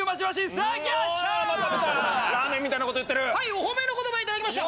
お褒めの言葉いただきやした！